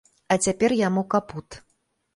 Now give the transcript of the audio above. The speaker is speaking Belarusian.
А цяпер яму капут.